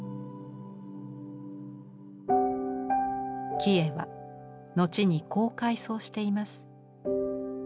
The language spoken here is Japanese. キヱは後にこう回想しています。